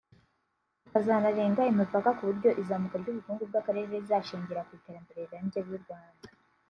tukazanarenga imipaka ku buryo izamuka ry’ubukungu bw’akarere rizashingira ku iterambere rirambye ry’u Rwanda